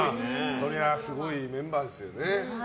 そりゃすごいメンバーですよね。